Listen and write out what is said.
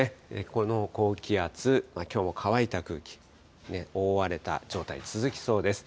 この高気圧、きょうも乾いた空気、覆われた状態、続きそうです。